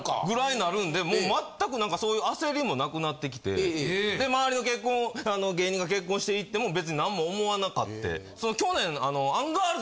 なるんでもう全くそういう焦りもなくなってきてで周りが結婚芸人が結婚していっても別になんも思わなかって。